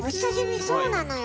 そうなのよ。